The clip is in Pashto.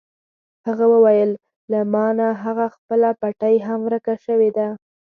هغه وویل: له ما نه هغه خپله پټۍ هم ورکه شوې ده.